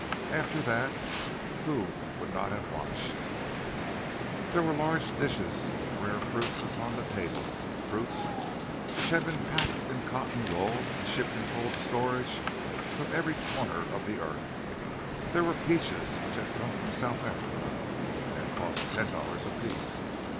After that, who would not have watched? There were large dishes of rare fruits upon the table—fruits which had been packed in cotton wool and shipped in cold storage from every corner of the earth. There were peaches which had come from South Africa (they had cost ten dollars apiece).